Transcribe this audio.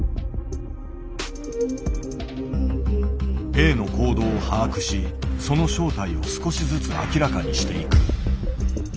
Ａの行動を把握しその正体を少しずつ明らかにしていく。